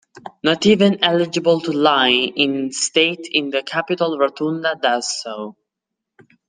Not everyone eligible to lie in state in the Capitol Rotunda does so.